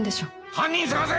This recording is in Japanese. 犯人捜せ！